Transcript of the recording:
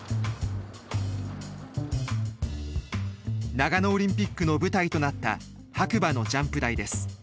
長野オリンピックの舞台となった白馬のジャンプ台です。